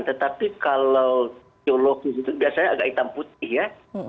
tetapi kalau teologis itu biasanya agak hitam putih ya